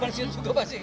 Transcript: sudah pensiun juga pasti